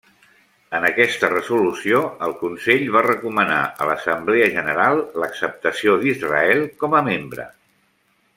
En aquesta resolució, el Consell va recomanar a l'Assemblea General l'acceptació d'Israel com a membre.